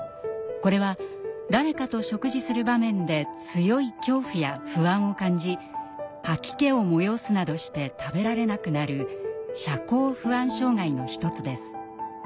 これは誰かと食事する場面で強い恐怖や不安を感じ吐き気をもよおすなどして食べられなくなる社交不安障害の一つです。